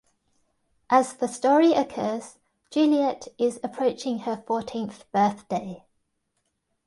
As the story occurs, Juliet is approaching her fourteenth birthday.